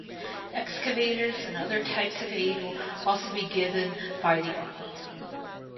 Excavators and other types of aid will be also given by the army.